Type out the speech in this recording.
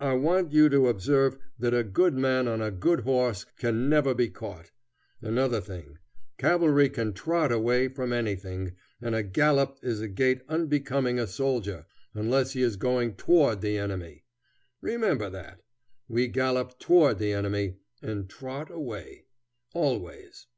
I want you to observe that a good man on a good horse can never be caught. Another thing: cavalry can trot away from anything, and a gallop is a gait unbecoming a soldier, unless he is going toward the enemy. Remember that. We gallop toward the enemy, and trot away, always.